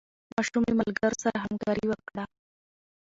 ماشوم له ملګرو سره همکاري وکړه